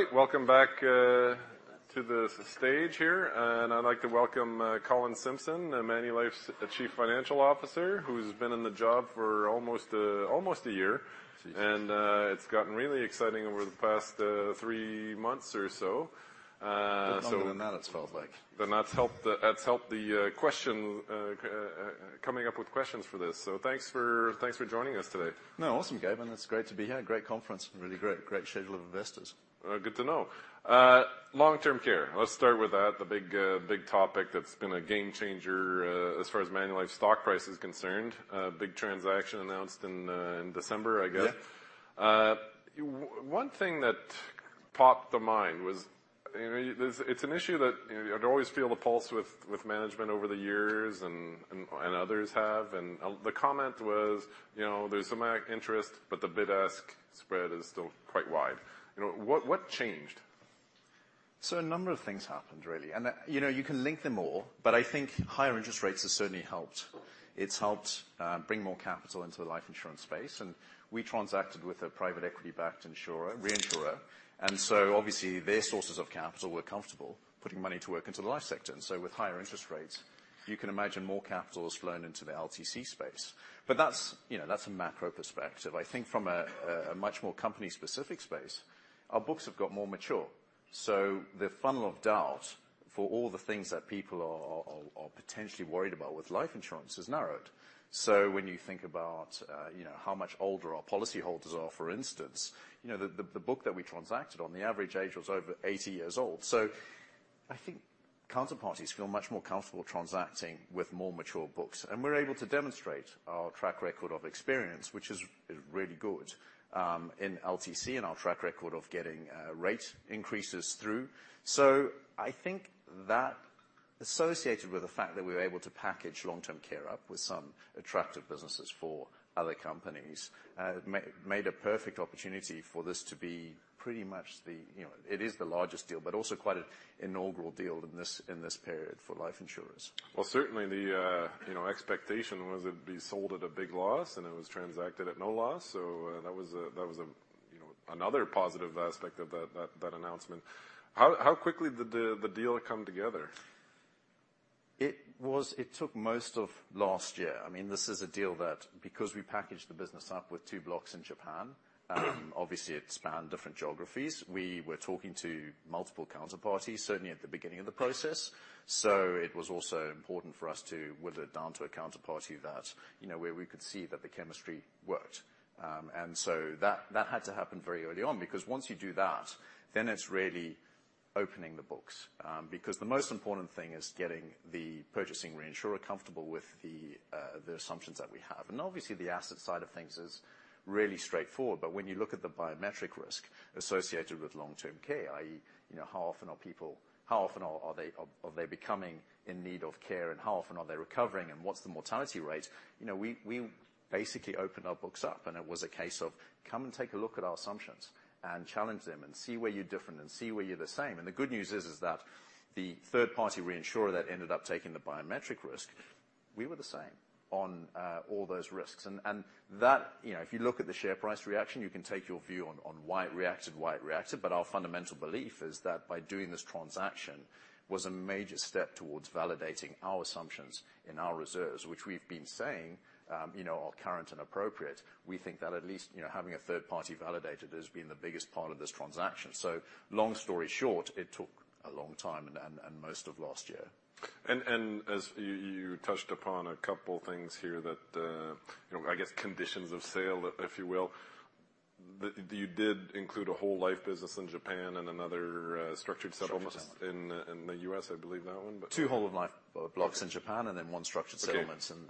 All right, welcome back to the stage here, and I'd like to welcome Colin Simpson, Manulife's Chief Financial Officer, who's been in the job for almost a year. See you, sir. It's gotten really exciting over the past three months or so. So Bit longer than that, it's felt like. Then that's helped the question coming up with questions for this. So thanks for joining us today. No, awesome, Gabriel, it's great to be here. Great conference, really great. Great schedule of investors. Good to know. Long-term care, let's start with that, the big, big topic that's been a game changer, as far as Manulife stock price is concerned. A big transaction announced in, in December, I guess. Yeah. One thing that popped to mind was... I mean, it's an issue that, you know, I'd always feel the pulse with management over the years, and others have. The comment was, you know, there's some interest, but the bid-ask spread is still quite wide. You know, what changed? So a number of things happened, really, and, you know, you can link them all, but I think higher interest rates have certainly helped. It's helped bring more capital into the life insurance space, and we transacted with a private equity-backed insurer, reinsurer. And so obviously, their sources of capital were comfortable putting money to work into the life sector. And so with higher interest rates, you can imagine more capital has flown into the LTC space. But that's, you know, that's a macro perspective. I think from a much more company-specific space, our books have got more mature. So the funnel of doubt for all the things that people are potentially worried about with life insurance has narrowed. So when you think about, you know, how much older our policyholders are, for instance, you know, the book that we transacted on, the average age was over 80 years old. So I think counterparties feel much more comfortable transacting with more mature books, and we're able to demonstrate our track record of experience, which is really good in LTC, and our track record of getting rate increases through. So I think that, associated with the fact that we were able to package long-term care up with some attractive businesses for other companies, made a perfect opportunity for this to be pretty much the, You know, it is the largest deal, but also quite an inaugural deal in this period for life insurance. Well, certainly the, you know, expectation was it'd be sold at a big loss, and it was transacted at no loss. So, that was a, you know, another positive aspect of that announcement. How quickly did the deal come together? It took most of last year. I mean, this is a deal that, because we packaged the business up with two blocks in Japan, obviously, it spanned different geographies. We were talking to multiple counterparties, certainly at the beginning of the process. So it was also important for us to whittle it down to a counterparty that, you know, where we could see that the chemistry worked. And so that had to happen very early on because once you do that, then it's really opening the books. Because the most important thing is getting the purchasing reinsurer comfortable with the assumptions that we have. And obviously, the asset side of things is really straightforward, but when you look at the biometric risk associated with long-term care, i.e., you know, how often are people becoming in need of care, and how often are they recovering, and what's the mortality rate? You know, we basically opened our books up, and it was a case of, "Come and take a look at our assumptions and challenge them, and see where you're different and see where you're the same." And the good news is that the third-party reinsurer that ended up taking the biometric risk, we were the same on all those risks. And that, You know, if you look at the share price reaction, you can take your view on why it reacted, why it reacted. But our fundamental belief is that by doing this transaction was a major step towards validating our assumptions in our reserves, which we've been saying, you know, are current and appropriate. We think that at least, you know, having a third party validate it has been the biggest part of this transaction. So long story short, it took a long time and most of last year. And as you touched upon a couple things here that, you know, I guess conditions of sale, if you will. You did include a whole life business in Japan and another, structured settlement Structured settlement in the U.S., I believe that one, but- Two Whole-of-Life blocks in Japan, and then one Structured Settlements Okay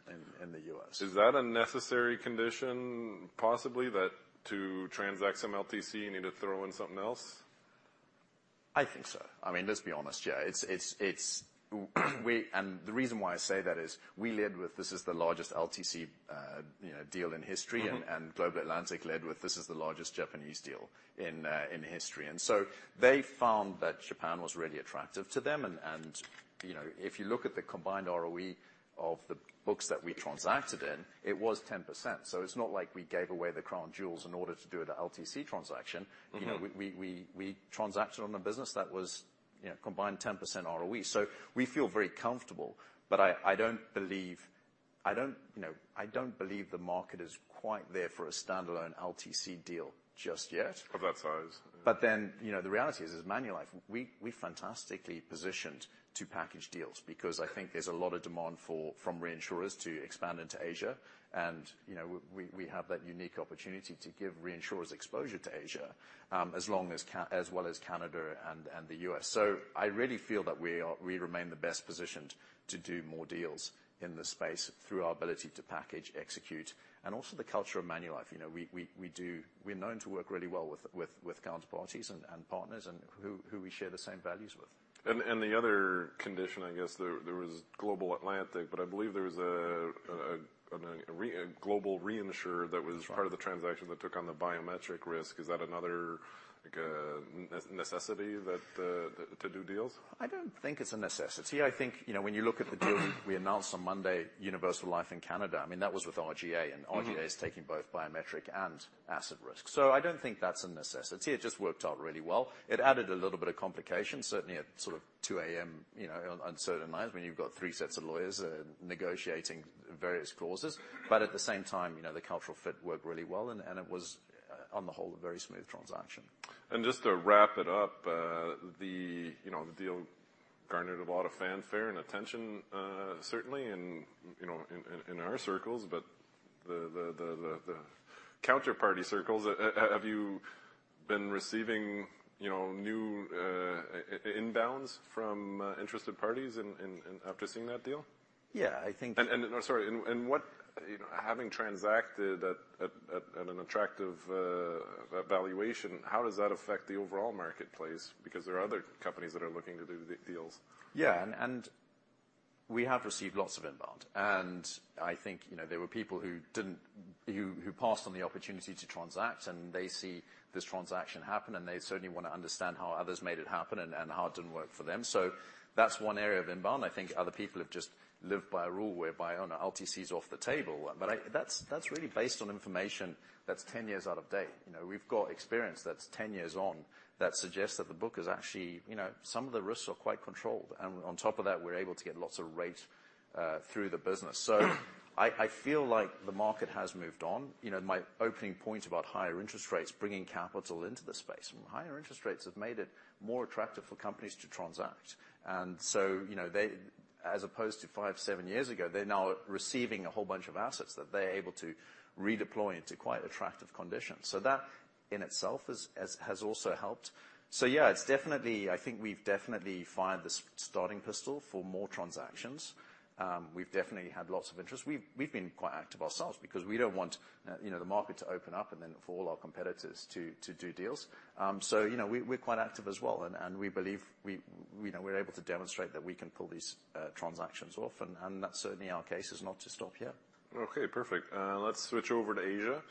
in the US. Is that a necessary condition, possibly, that to transact some LTC, you need to throw in something else? I think so. I mean, let's be honest, yeah, it's, and the reason why I say that is, we led with this is the largest LTC, you know, deal in history. Mm-hmm. Global Atlantic led with, "This is the largest Japanese deal in history." And so they found that Japan was really attractive to them, and, you know, if you look at the combined ROE of the books that we transacted in, it was 10%. So it's not like we gave away the crown jewels in order to do the LTC transaction. Mm-hmm. You know, we transacted on a business that was, you know, combined 10% ROE. So we feel very comfortable, but I don't believe the market is quite there for a standalone LTC deal just yet. Of that size. But then, you know, the reality is, as Manulife, we're fantastically positioned to package deals because I think there's a lot of demand from reinsurers to expand into Asia. And, you know, we have that unique opportunity to give reinsurers exposure to Asia, as well as Canada and the US. So I really feel that we are, we remain the best positioned to do more deals in this space through our ability to package, execute, and also the culture of Manulife. You know, we're known to work really well with counterparties and partners and who we share the same values with. And the other condition, I guess, there was Global Atlantic, but I believe there was a global reinsurer that was- That's right part of the transaction that took on the Biometric Risk. Is that another, like, necessity that to do deals? I don't think it's a necessity. I think, you know, when you look at the deal we announced on Monday, Universal Life in Canada, I mean, that was with RGA, and RGA Mm-hmm is taking both biometric and asset risk. So I don't think that's a necessity. It just worked out really well. It added a little bit of complication, certainly at sort of 2:00 A.M., you know, on certain nights when you've got three sets of lawyers negotiating various clauses. But at the same time, you know, the cultural fit worked really well, and it was on the whole a very smooth transaction. Just to wrap it up, you know, the deal garnered a lot of fanfare and attention, certainly, and, you know, in our circles, but the counterparty circles, have you been receiving, you know, new inbounds from interested parties after seeing that deal? Yeah, I think Sorry, what, You know, having transacted at an attractive valuation, how does that affect the overall marketplace? Because there are other companies that are looking to do big deals. Yeah, and we have received lots of inbound. And I think, you know, there were people who didn't who passed on the opportunity to transact, and they see this transaction happen, and they certainly wanna understand how others made it happen and how it didn't work for them. So that's one area of inbound. I think other people have just lived by a rule whereby, oh, no, LTC's off the table. But that's really based on information that's 10 years out of date. You know, we've got experience that's 10 years on, that suggests that the book is actually, You know, some of the risks are quite controlled. And on top of that, we're able to get lots of rate through the business. So I feel like the market has moved on. You know, my opening point about higher interest rates bringing capital into the space, higher interest rates have made it more attractive for companies to transact. So, you know, they, as opposed to five, seven years ago, they're now receiving a whole bunch of assets that they're able to redeploy into quite attractive conditions. So that in itself has also helped. So yeah, it's definitely, I think we've definitely fired the starting pistol for more transactions. We've definitely had lots of interest. We've been quite active ourselves because we don't want, you know, the market to open up and then for all our competitors to do deals. So, you know, we're quite active as well, and we believe we know we're able to demonstrate that we can pull these transactions off, and that's certainly our case is not to stop yet. Okay, perfect. Let's switch over to Asia.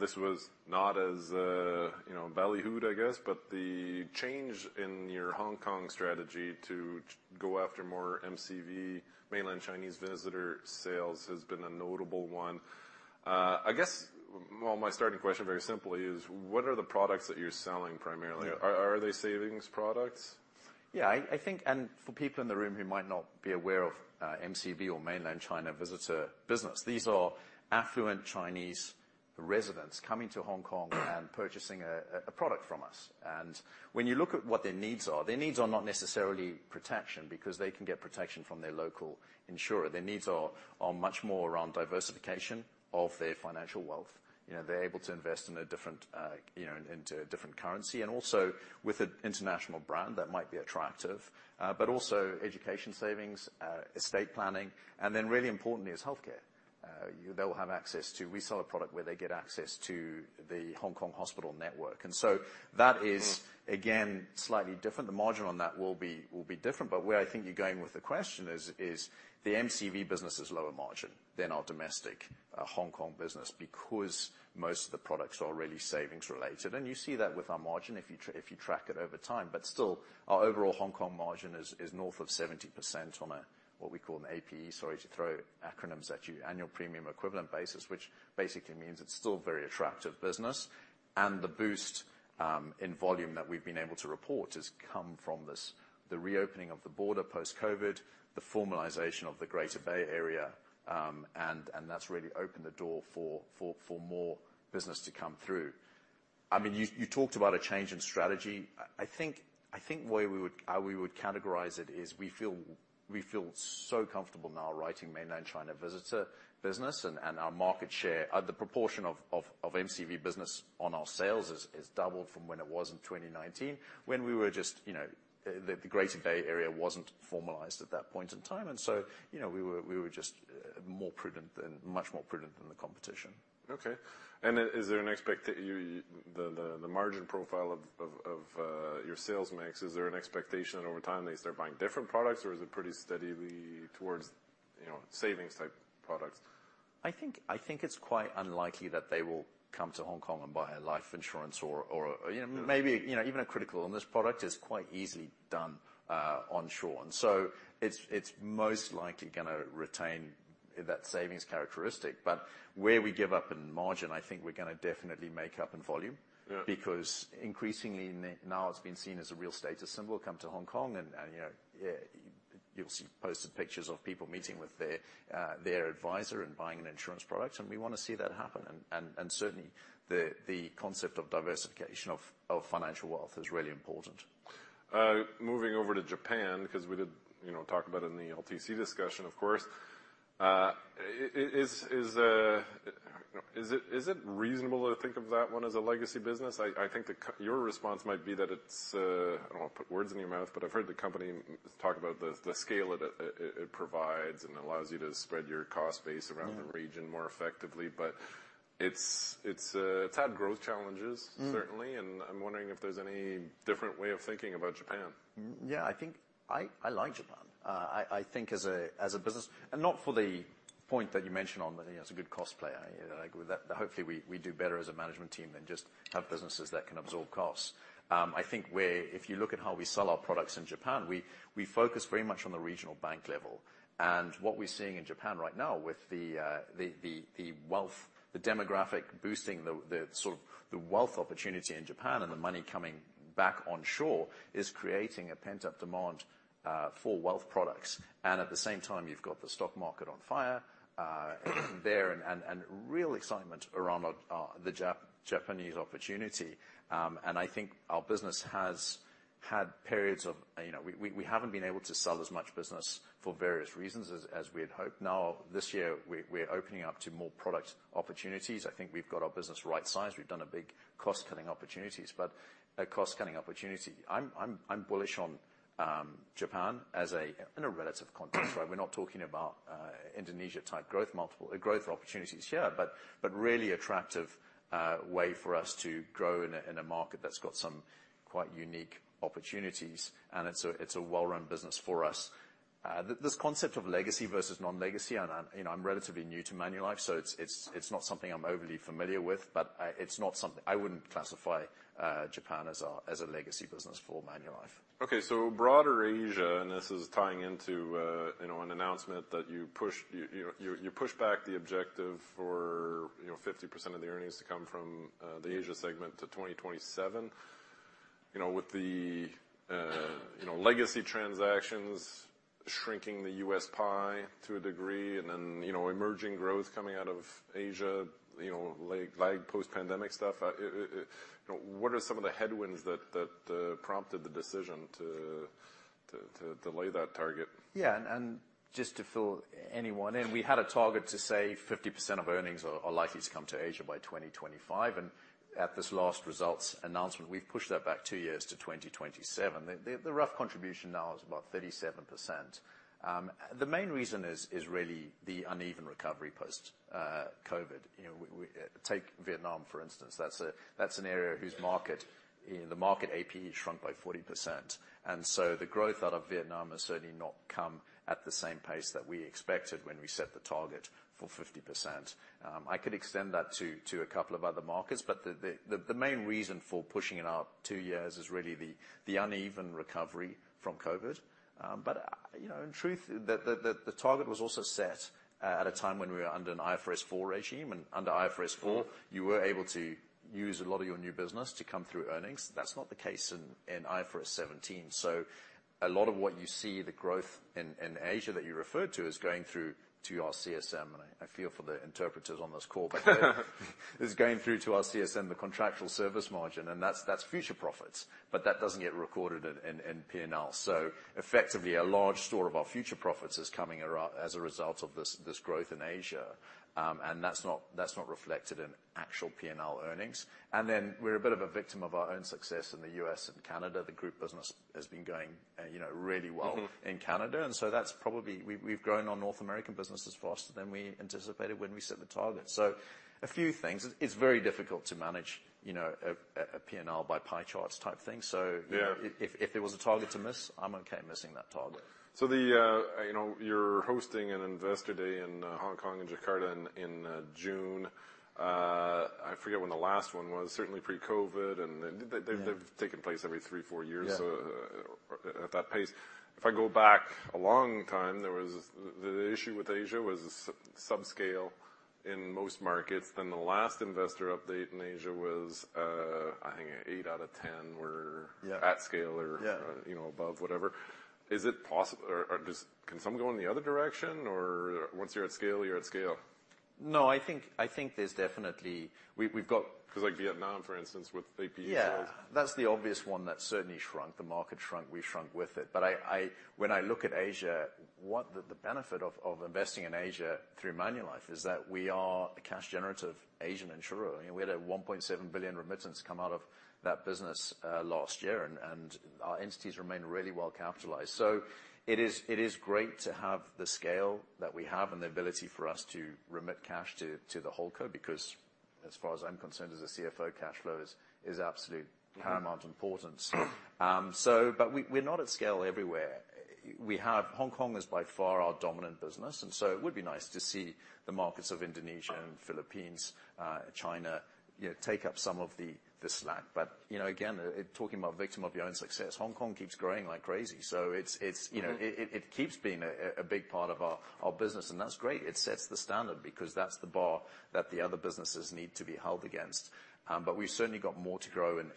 This was not as, you know, ballyhooed, I guess, but the change in your Hong Kong strategy to go after more MCV, Mainland Chinese Visitor, sales has been a notable one. I guess, well, my starting question very simply is, what are the products that you're selling primarily? Yeah. Are they savings products? Yeah, I think. And for people in the room who might not be aware of MCV or Mainland China Visitor business, these are affluent Chinese residents coming to Hong Kong and purchasing a product from us. And when you look at what their needs are, their needs are not necessarily protection, because they can get protection from their local insurer. Their needs are much more around diversification of their financial wealth. You know, they're able to invest in a different, you know, into a different currency, and also with an international brand that might be attractive. But also, education savings, estate planning, and then really importantly is healthcare. They'll have access to, We sell a product where they get access to the Hong Kong Hospital Network. And so that is Mmmh again, slightly different. The margin on that will be, will be different. But where I think you're going with the question is, is the MCV business is lower margin than our domestic, Hong Kong business, because most of the products are really savings related. And you see that with our margin if you track it over time. But still, our overall Hong Kong margin is, is north of 70% on a, what we call an APE. Sorry to throw acronyms at you, Annual Premium Equivalent basis, which basically means it's still very attractive business. And the boost in volume that we've been able to report has come from this, the reopening of the border post-COVID, the formalization of the Greater Bay Area, and that's really opened the door for more business to come through. I mean, you talked about a change in strategy. I think where we would, how we would categorize it is we feel so comfortable now writing Mainland Chinese Visitor business, and our market share, the proportion of MCV business on our sales is doubled from when it was in 2019, when we were just, you know, the Greater Bay Area wasn't formalized at that point in time. And so, you know, we were just more prudent than much more prudent than the competition. Okay. And, is there an expectation the margin profile of your sales mix, is there an expectation that over time they start buying different products, or is it pretty steadily towards, you know, savings-type products? I think it's quite unlikely that they will come to Hong Kong and buy a life insurance or, you know Mm maybe, you know, even a critical illness product is quite easily done, onshore. And so it's, it's most likely gonna retain that savings characteristic. But where we give up in margin, I think we're gonna definitely make up in volume. Yeah. Because increasingly, now it's been seen as a real status symbol. Come to Hong Kong, and you know, yeah, you'll see posted pictures of people meeting with their advisor and buying an insurance product, and we wanna see that happen. And certainly, the concept of diversification of financial wealth is really important. Moving over to Japan, 'cause we did, you know, talk about it in the LTC discussion, of course. Is it reasonable to think of that one as a legacy business? I think your response might be that it's, I don't wanna put words in your mouth, but I've heard the company talk about the scale that it provides, and allows you to spread your cost base around- Mm the region more effectively. But it's had growth challenges- Mm certainly, and I'm wondering if there's any different way of thinking about Japan. Yeah, I think I like Japan. I think as a business, and not for the point that you mentioned on, that, you know, it's a good cost play. I agree with that, but hopefully, we do better as a management team than just have businesses that can absorb costs. I think where, if you look at how we sell our products in Japan, we focus very much on the regional bank level. And what we're seeing in Japan right now with the wealth, the demographic boosting, the sort of, the wealth opportunity in Japan and the money coming back onshore, is creating a pent-up demand for wealth products. And at the same time, you've got the stock market on fire there, and real excitement around the Japanese opportunity. And I think our business had periods of, you know, we haven't been able to sell as much business for various reasons as we had hoped. Now, this year, we're opening up to more product opportunities. I think we've got our business right sized. We've done a big cost-cutting opportunities, but a cost-cutting opportunity. I'm bullish on Japan in a relative context, right? We're not talking about Indonesia-type growth multiple growth opportunities here, but really attractive way for us to grow in a market that's got some quite unique opportunities, and it's a well-run business for us. This concept of legacy versus non-legacy, and you know, I'm relatively new to Manulife, so it's not something I'm overly familiar with, but it's not something I wouldn't classify Japan as a legacy business for Manulife. Okay, so broader Asia, and this is tying into, you know, an announcement that you pushed... You pushed back the objective for, you know, 50% of the earnings to come from the Asia segment to 2027. You know, with the, you know, legacy transactions shrinking the US pie to a degree, and then, you know, emerging growth coming out of Asia, you know, like post-pandemic stuff. You know, what are some of the headwinds that prompted the decision to delay that target? Yeah, and just to fill anyone in, we had a target to say 50% of earnings are likely to come to Asia by 2025, and at this last results announcement, we've pushed that back two years to 2027. The rough contribution now is about 37%. The main reason is really the uneven recovery post COVID. You know, Take Vietnam, for instance. That's an area whose market, you know, the market APE shrunk by 40%, and so the growth out of Vietnam has certainly not come at the same pace that we expected when we set the target for 50%. I could extend that to a couple of other markets, but the main reason for pushing it out two years is really the uneven recovery from COVID. But, you know, in truth, the target was also set at a time when we were under an IFRS 4 regime, and under IFRS 4, you were able to use a lot of your new business to come through earnings. That's not the case in IFRS 17. So a lot of what you see, the growth in Asia that you referred to, is going through to our CSM, and I feel for the interpreters on this call. Is going through to our CSM, the contractual service margin, and that's future profits, but that doesn't get recorded in P&L. So effectively, a large store of our future profits is coming as a result of this growth in Asia, and that's not reflected in actual P&L earnings. And then we're a bit of a victim of our own success in the U.S. and Canada. The group business has been going, you know, really well- Mm-hmm... in Canada, and so that's probably... We've grown our North American businesses faster than we anticipated when we set the target. So a few things, it's very difficult to manage, you know, a P&L by pie charts type thing, so- Yeah... if there was a target to miss, I'm okay missing that target. So, you know, you're hosting an Investor Day in Hong Kong and Jakarta in June. I forget when the last one was. Certainly pre-COVID, and they Yeah... they've taken place every three, four years. Yeah. So, at that pace, if I go back a long time, there was, the issue with Asia was subscale in most markets, and the last investor update in Asia was, I think, eight out of ten were- Yeah at scale or Yeah you know, above, whatever. Is it possible, or does, can some go in the other direction, or once you're at scale, you're at scale? No, I think there's definitely, We've got Cause like Vietnam, for instance, with APE sales. Yeah. That's the obvious one that certainly shrunk. The market shrunk, we shrunk with it. But when I look at Asia, what the benefit of investing in Asia through Manulife is that we are a cash-generative Asian insurer. You know, we had a 1.7 billion remittance come out of that business last year, and our entities remain really well capitalized. So it is great to have the scale that we have and the ability for us to remit cash to the Holdco, because as far as I'm concerned, as a CFO, cash flow is absolute paramount importance. So but we, we're not at scale everywhere. We have, Hong Kong is by far our dominant business, and so it would be nice to see the markets of Indonesia and Philippines, China, you know, take up some of the slack. But, you know, again, talking about victim of your own success, Hong Kong keeps growing like crazy, so it's, you know- Mm-hmm it keeps being a big part of our business, and that's great. It sets the standard because that's the bar that the other businesses need to be held against. But we've certainly got more to grow in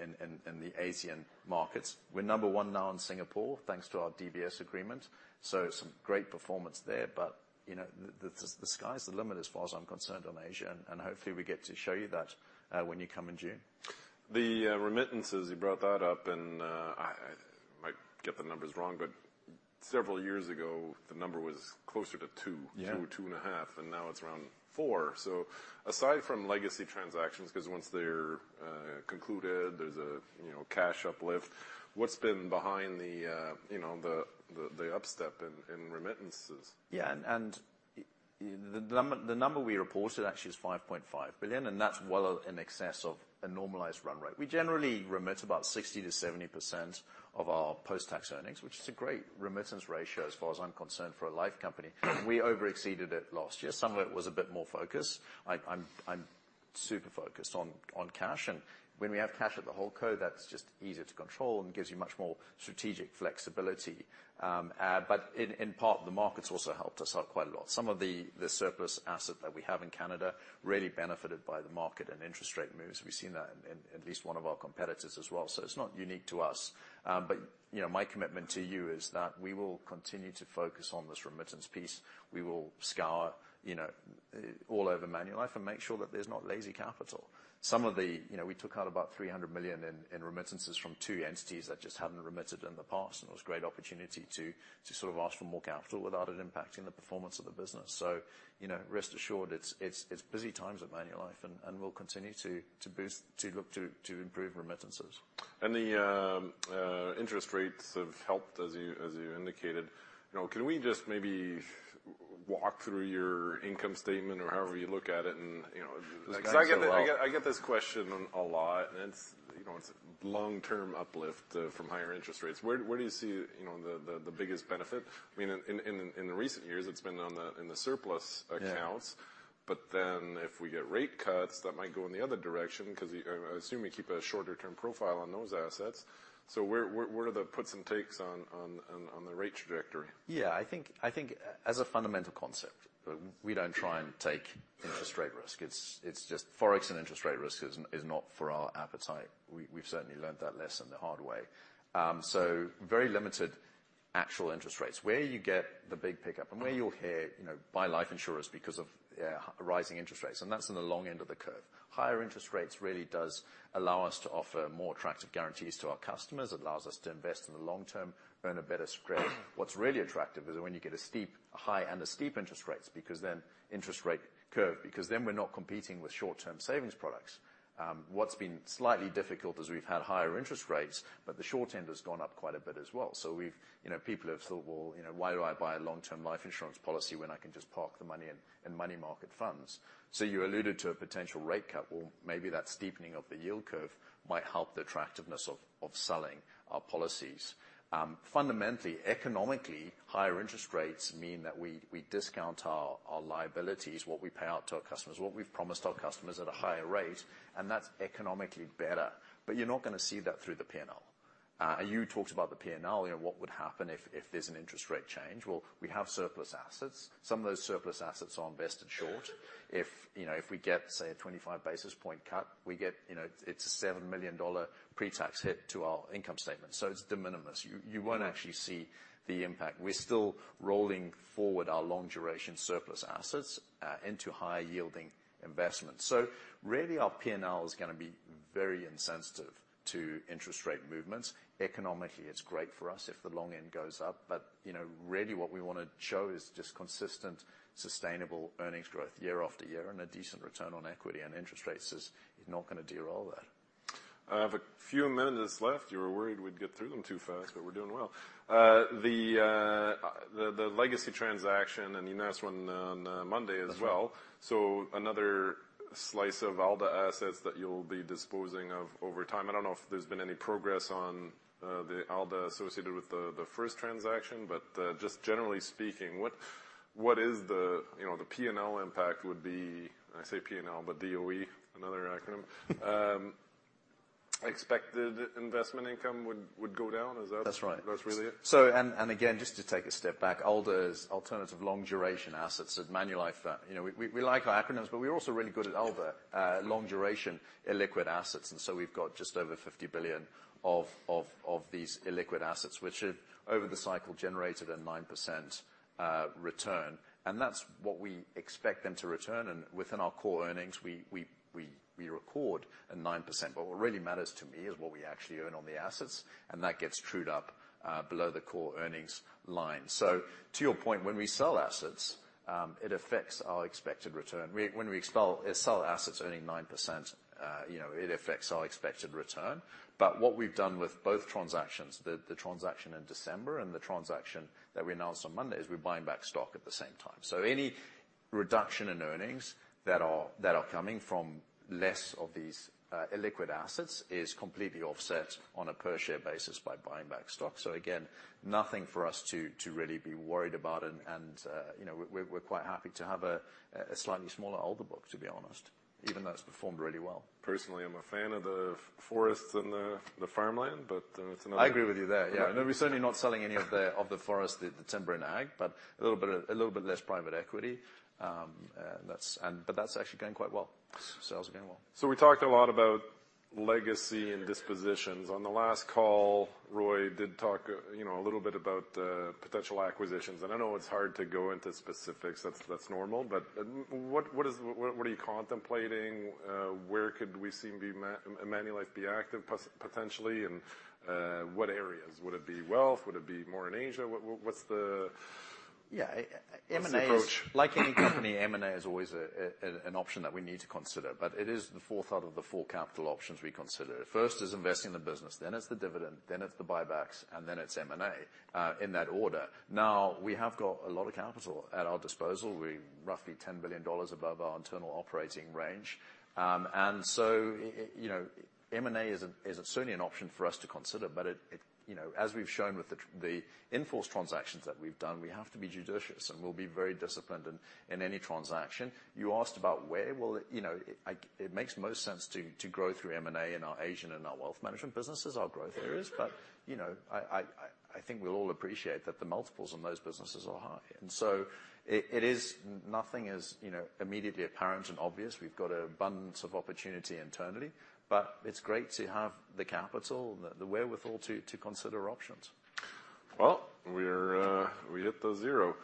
the Asian markets. We're number one now in Singapore, thanks to our DBS agreement, so some great performance there. But, you know, the sky's the limit as far as I'm concerned on Asia, and hopefully, we get to show you that when you come in June. The remittances, you brought that up, and I might get the numbers wrong, but several years ago, the number was closer to two. Yeah. two, two and a half, and now it's around four. So aside from legacy transactions, 'cause once they're concluded, there's a, you know, cash uplift, what's been behind the, you know, the upstep in remittances? Yeah, the number we reported actually is 5.5 billion, and that's well in excess of a normalized run rate. We generally remit about 60%-70% of our post-tax earnings, which is a great remittance ratio as far as I'm concerned, for a life company. We over-exceeded it last year. Some of it was a bit more focused. I'm super focused on cash, and when we have cash at the whole co, that's just easier to control and gives you much more strategic flexibility. But in part, the markets also helped us out quite a lot. Some of the surplus asset that we have in Canada really benefited by the market and interest rate moves. We've seen that in at least one of our competitors as well, so it's not unique to us. But, you know, my commitment to you is that we will continue to focus on this remittance piece. We will scour, you know, all over Manulife and make sure that there's not lazy capital. Mm. Some of the, You know, we took out about 300 million in remittances from two entities that just haven't remitted in the past, and it was a great opportunity to sort of ask for more capital without it impacting the performance of the business. So, you know, rest assured, it's busy times at Manulife, and we'll continue to boost, to look to improve remittances. The interest rates have helped, as you indicated. You know, can we just maybe walk through your income statement or however you look at it, and, you know, just because I get this question a lot, and it's, you know, it's long-term uplift from higher interest rates. Where do you see, you know, the biggest benefit? I mean, in recent years, it's been in the surplus accounts. Yeah. But then if we get rate cuts, that might go in the other direction, 'cause, you know, I assume you keep a shorter-term profile on those assets. So where, where, where are the puts and takes on, on, on, on the rate trajectory? Yeah, I think as a fundamental concept, we don't try and take interest rate risk. It's just Forex and interest rate risk is not for our appetite. We've certainly learned that lesson the hard way. So very limited actual interest rates. Where you get the big pickup, and where you'll hear, you know, why life insurers, because of, yeah, rising interest rates, and that's in the long end of the curve. Higher interest rates really does allow us to offer more attractive guarantees to our customers. It allows us to invest in the long term, earn a better spread. What's really attractive is when you get a steep, high and a steep interest rate curve, because then we're not competing with short-term savings products. What's been slightly difficult is we've had higher interest rates, but the short end has gone up quite a bit as well. You know, people have thought, "Well, you know, why do I buy a long-term life insurance policy when I can just park the money in, in money market funds?" So you alluded to a potential rate cut. Well, maybe that steepening of the yield curve might help the attractiveness of, of selling our policies. Fundamentally, economically, higher interest rates mean that we, we discount our, our liabilities, what we pay out to our customers, what we've promised our customers at a higher rate, and that's economically better. But you're not gonna see that through the P&L. You talked about the P&L, you know, what would happen if, if there's an interest rate change? Well, we have surplus assets. Some of those surplus assets are invested short. If, you know, if we get, say, a 25 basis point cut, we get, you know, it's a 7 million dollar pre-tax hit to our income statement, so it's de minimis. You, you won't actually see the impact. We're still rolling forward our long duration surplus assets into higher yielding investments. So really, our P&L is gonna be very insensitive to interest rate movements. Economically, it's great for us if the long end goes up, but, you know, really what we wanna show is just consistent, sustainable earnings growth year after year, and a decent return on equity, and interest rates is not gonna derail that. I have a few minutes left. You were worried we'd get through them too fast, but we're doing well. The legacy transaction, and you announced one on Monday as well. Mm-hmm. So another slice of ALDA assets that you'll be disposing of over time. I don't know if there's been any progress on the ALDA associated with the first transaction, but just generally speaking, what is the, You know, the P&L impact would be, I say P&L, but ROE, another acronym. Expected investment income would go down. Is that- That's right. That's really it? So, again, just to take a step back, ALDA is Alternative Long Duration Assets of Manulife. You know, we like our acronyms, but we're also really good at ALDA, long duration, illiquid assets, and so we've got just over 50 billion of these illiquid assets, which have, over the cycle, generated a 9% return. And that's what we expect them to return, and within our core earnings, we record a 9%. But what really matters to me is what we actually earn on the assets, and that gets trued up below the core earnings line. So to your point, when we sell assets, it affects our expected return. When we sell assets earning 9%, you know, it affects our expected return. But what we've done with both transactions, the transaction in December and the transaction that we announced on Monday, is we're buying back stock at the same time. So any reduction in earnings that are coming from less of these illiquid assets is completely offset on a per share basis by buying back stock. So again, nothing for us to really be worried about, and you know, we're quite happy to have a slightly smaller ALDA book, to be honest, even though it's performed really well. Personally, I'm a fan of the forest and the farmland, but it's another I agree with you there. Yeah. No, we're certainly not selling any of the forest, the timber and ag, but a little bit less private equity. But that's actually going quite well. Sales are going well. So we talked a lot about legacy and dispositions. On the last call, Roy did talk, you know, a little bit about potential acquisitions. And I know it's hard to go into specifics, that's normal, but what is, what are you contemplating? Where could we see Manulife be active potentially, and what areas? Would it be wealth? Would it be more in Asia? What, what's the- Yeah, M&A is what's the approach? Like any company, M&A is always an option that we need to consider, but it is the fourth out of the four capital options we consider. First is investing in the business, then it's the dividend, then it's the buybacks, and then it's M&A in that order. Now, we have got a lot of capital at our disposal. We're roughly 10 billion dollars above our internal operating range. And so, you know, M&A is certainly an option for us to consider, but it, You know, as we've shown with the in-force transactions that we've done, we have to be judicious, and we'll be very disciplined in any transaction. You asked about where? Well, you know, it makes most sense to grow through M&A in our Asian and our wealth management businesses, our growth areas. Mm-hmm. But, you know, I think we all appreciate that the multiples on those businesses are high. And so it is. Nothing is, you know, immediately apparent and obvious. We've got an abundance of opportunity internally, but it's great to have the capital and the wherewithal to consider options. Well, we hit the zero.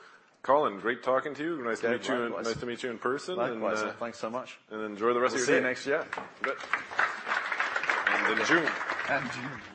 Colin, great talking to you. Okay, likewise. Nice to meet you. Nice to meet you in person, and Likewise. Thanks so much. Enjoy the rest of your day. See you next year. You bet. And in June. And June.